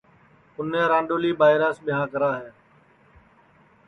اُنے رانڈؔولی ٻائیراس ٻیاں کرا ہے